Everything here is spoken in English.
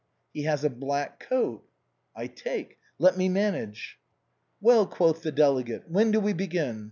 " He has a black coat." " I take. Let me manage." " Well," quoth the delegate, " when do we begin